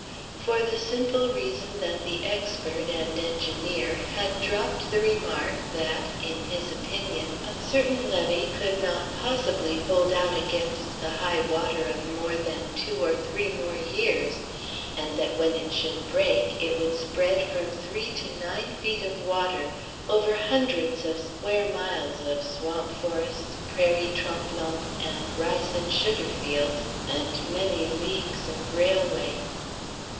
For the simple reason that the expert, and engineer, had dropped the remark that, in his opinion, a certain levee could not possibly hold out against the high water of more than two or three more years, and that when it should break it would spread, from three to nine feet of water, over hundreds of square miles of swamp forests, prairies tremblantes, and rice and sugar fields, and many leagues of railway.